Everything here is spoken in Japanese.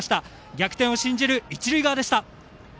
逆転を信じる一塁側でした。